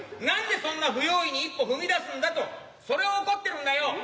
なんでそんな不用意に一歩踏み出すんだとそれを怒ってるんだよ。